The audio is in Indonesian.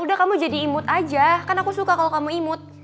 udah kamu jadi imut aja kan aku suka kalau kamu imut